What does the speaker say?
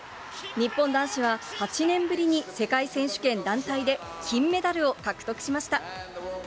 日本男子は、８年ぶりに世界選手権団体で金メダルを獲得しました。